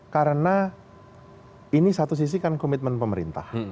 karena ini satu sisi kan komitmen pemerintah